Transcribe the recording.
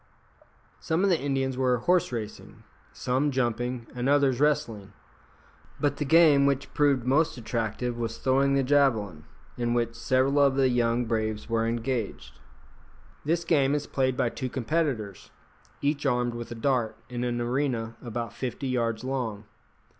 Some of the Indians were horse racing, some jumping, and others wrestling; but the game which proved most attractive was throwing the javelin, in which several of the young braves were engaged. This game is played by two competitors, each armed with a dart, in an arena about fifty yards long.